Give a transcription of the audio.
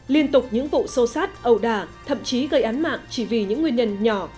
liên tục những vụ sô sát ẩu đà thậm chí gây án mạng chỉ vì những nguyên nhân nhỏ